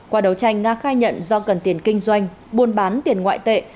qua đấu tranh nga khai nhận do cần tiền kinh doanh buôn bán tiền ngoại tệ